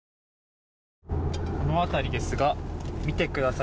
この辺りですが見てください。